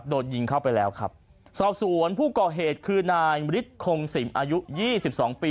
โดนยิงเข้าไปแล้วครับสอบส่วนผู้ก่อเหตุคือนายฤทธิ์โครงสิมอายุ๒๒ปี